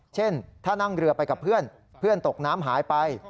เช่นถ้านั่งเรือไปกับเพื่อนเพื่อนตกน้ำหายไป